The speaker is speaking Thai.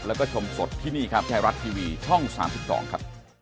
แล้วก็ชมสดที่นี่ครับไทยรัดทีวีช่องสามสิบดองครับ